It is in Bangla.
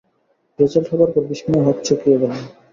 রেজাল্ট হবার পর বিস্ময়ে হকচকিয়ে গেলাম।